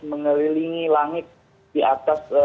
mengelilingi langit di atas